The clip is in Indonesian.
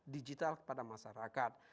digital kepada masyarakat